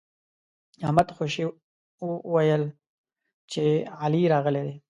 احمد خوشي ويل چې علي راغلی دی.